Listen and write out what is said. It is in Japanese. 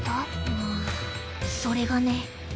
うんそれがね